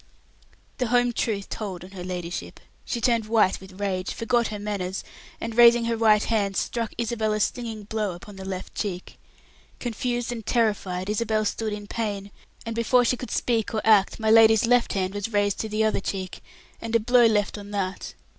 The home truth told on her ladyship. She turned white with rage, forgot her manners, and, raising her right hand, struck Isabel a stinging blow upon the left cheek. Confused and terrified, Isabel stood in pain, and before she could speak or act, my lady's left hand was raised to the other cheek, and a blow left on that.